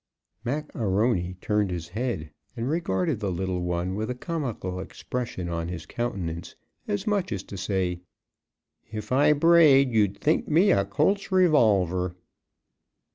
Mac A'Rony turned his head and regarded the little one with a comical expression on his countenance, as much as to say, "If I brayed, you'd think me a Colt's revolver."